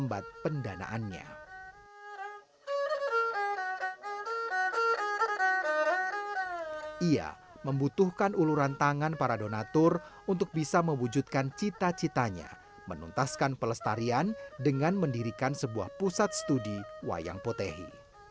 bahasanya kalau masyarakat ingin melihat wayang potehi